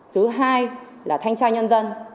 thứ hai là thanh tra nhân dân